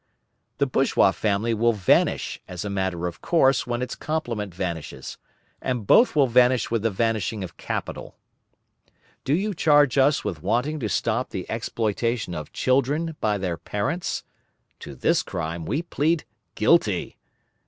The bourgeois family will vanish as a matter of course when its complement vanishes, and both will vanish with the vanishing of capital. Do you charge us with wanting to stop the exploitation of children by their parents? To this crime we plead guilty.